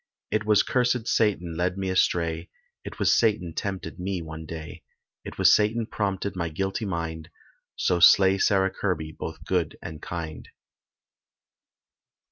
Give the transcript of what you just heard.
It was cursed Satan led me astray, It was Satan tempted me one day, It was Satan prompted my guilty mind, So slay Sarah Kirby both good and kind.